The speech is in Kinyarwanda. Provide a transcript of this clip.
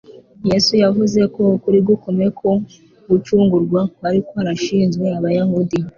Yesu yavuze ko ukuri gukomeye kwo gucungurwa kwari kwarashinzwe Abayuda,